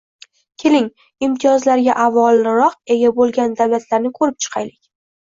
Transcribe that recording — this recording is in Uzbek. — Keling, imtiyozlariga avvalroq ega bo‘lgan davlatlarni ko‘rib chiqaylik.